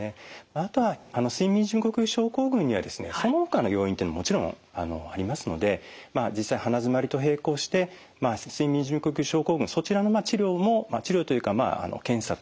あとは睡眠時無呼吸症候群にはですねそのほかの要因というのももちろんありますので実際鼻づまりと並行して睡眠時無呼吸症候群そちらの治療も治療というか検査等ですよね